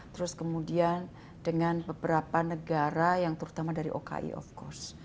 terus kemudian dengan beberapa negara yang terutama dari oki of course